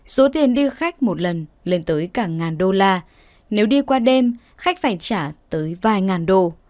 số tiền đi khách một lần lên tới cả ngàn đô la nếu đi qua đêm khách phải trả tới vài ngàn đồ